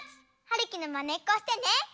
はるきのまねっこしてね！